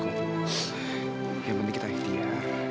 yang penting kita ikhtiar